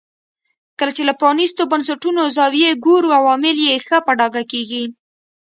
کله چې له پرانیستو بنسټونو زاویې ګورو عوامل یې ښه په ډاګه کېږي.